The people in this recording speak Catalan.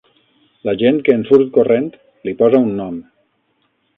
La gent que en surt corrent, li posa un nom.